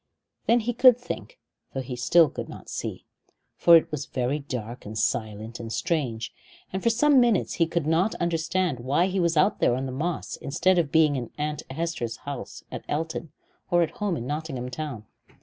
Then he could think, though he still could not see, for it was very dark and silent and strange, and for some minutes he could not understand why he was out there on the moss instead of being in Aunt Hester's house at Elton, or at home in Nottingham town.